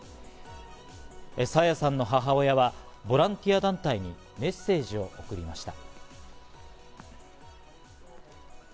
朝芽さんの母親はボランティア団体にメッセージを送りました。